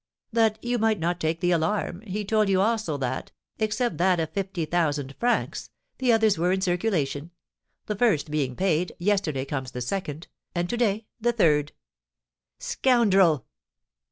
"That you might not take the alarm, he told you also that, except that of fifty eight thousand francs, the others were in circulation; the first being paid, yesterday comes the second, and to day the third." "Scoundrel!"